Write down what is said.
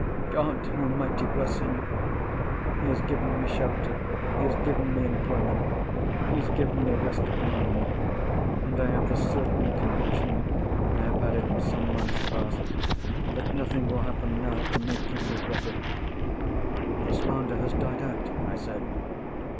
God Almighty bless him! He has given me shelter, he has given me employment, he has given me rest of mind—and I have the certain conviction (I have had it for some months past) that nothing will happen now to make him regret it." "The slander has died out?" I said.